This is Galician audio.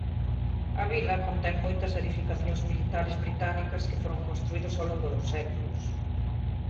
A vila contén moitas edificacións militares británicas que foron construídos ao longo dos séculos.